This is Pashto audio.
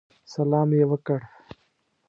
سلام یې وکړ.